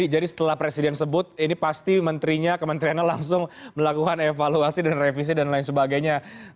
jadi setelah presiden sebut ini pasti kementeriannya langsung melakukan evaluasi dan revisi dan lain sebagainya